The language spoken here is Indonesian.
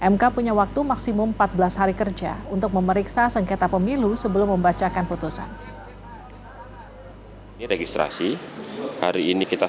mk punya waktu maksimum empat belas hari kerja untuk memeriksa sengketa pemilu sebelum membacakan putusan